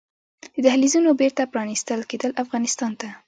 د دهلېزونو بېرته پرانيستل کیدل افغانستان ته